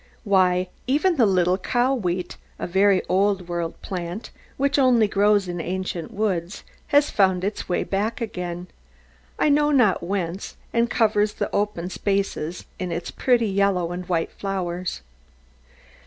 Why, even the little cow wheat, a very old world plant, which only grows in ancient woods, has found its way back again, I know not whence, and covers the open spaces with its pretty yellow and white flowers.